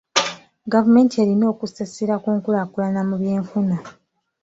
Gavumenti erina okussa essira ku nkulaakulana mu byenfuna.